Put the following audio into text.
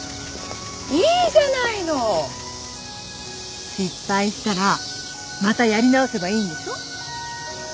いいじゃないの。失敗したらまたやり直せばいいんでしょ？